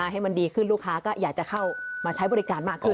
ให้มันดีขึ้นลูกค้าก็อยากจะเข้ามาใช้บริการมากขึ้น